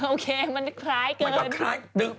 โอเคมันคล้ายกัน